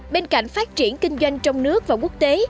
bên cạnh phát triển kinh doanh trong nước và quốc tế